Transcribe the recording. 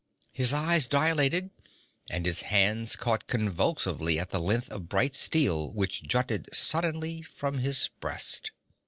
His eyes dilated and his hands caught convulsively at the length of bright steel which jutted suddenly from his breast.